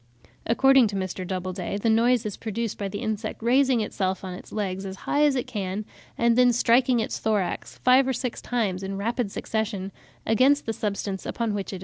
According to Mr. Doubleday, "the noise is produced by the insect raising itself on its legs as high as it can, and then striking its thorax five or six times, in rapid succession, against the substance upon which it is sitting."